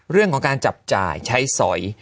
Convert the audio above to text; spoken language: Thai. เรื่องของการจับจ่ายใช้สอย